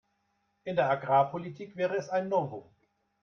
In der Agrarpolitik wäre es ein Novum.